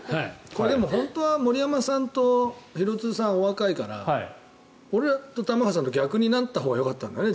これ、本当は森山さんと廣津留さんはお若いから俺と玉川さんは逆になったほうがよかったんだよね。